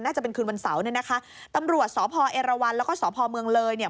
จะเป็นคืนวันเสาร์เนี่ยนะคะตำรวจสพเอราวันแล้วก็สพเมืองเลยเนี่ย